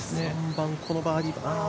３番、このバーディー。